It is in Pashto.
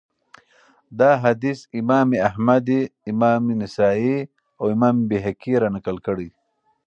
دا حديث امام احمد امام نسائي، او امام بيهقي را نقل کړی